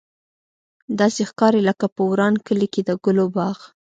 داسې ښکاري لکه په وران کلي کې د ګلو باغ.